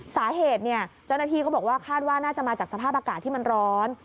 สาเหตุเนี่ยเจ้าหน้าที่เขาบอกว่าคาดว่าน่าจะมาจากสภาพอากาศที่มันร้อน